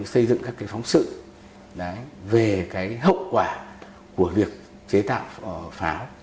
xây dựng các phóng sự về hậu quả của việc chế tạo pháo